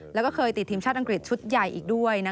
แล้วก็เคยติดทีมชาติอังกฤษชุดใหญ่อีกด้วย